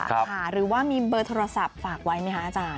หรือว่ามีเบอร์โทรศัพท์ฝากไว้ไหมคะอาจารย์